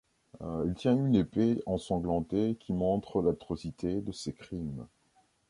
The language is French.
Il tient une épée ensanglantée, qui montre l’atrocité de ses crimes.